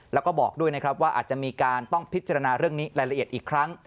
แล้วก็บอกด้วยนะครับว่าอาจจะมีการต้องพิจารณาเรื่องนี้รายละเอียดอีกครั้ง